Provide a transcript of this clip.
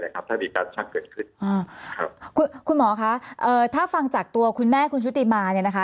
คุณหมอคะถ้าฟังจากตัวคุณแม่คุณชุติมาเนี่ยนะคะ